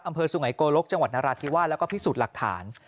สุไงโกลกจังหวัดนราธิวาสแล้วก็พิสูจน์หลักฐาน